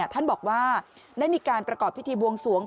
ท่านบอกว่าได้มีการประกอบพิธีบวงสวง